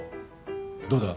どうだ。